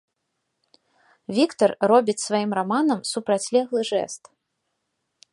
Віктар робіць сваім раманам супрацьлеглы жэст.